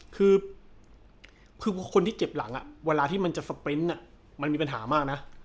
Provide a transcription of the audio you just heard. คือคนที่เจ็บหลังเวลาที่มันจะสปรินต์มันมีปัญหามากนะ